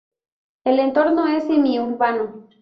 El entorno es semi urbano.